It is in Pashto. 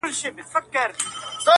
څه وڼی پاته، څه کوسی پاته.